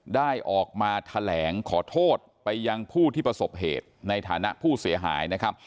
ได้ออกมาแถลงขอโทษไปยังผู้ที่ประสบเหตุในฐานะผู้เสียหายนะครับ